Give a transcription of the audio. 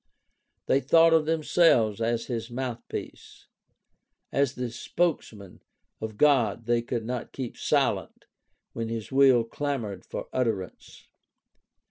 They thought of themselves as his mouthpiece. As the spokesmen of God they could not keep silent when his will clamored for utterance.